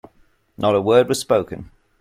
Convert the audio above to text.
Not a word was spoken.